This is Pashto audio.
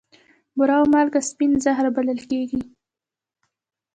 بوره او مالګه سپین زهر بلل کیږي.